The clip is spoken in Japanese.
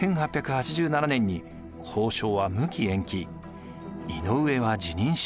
１８８７年に交渉は無期延期。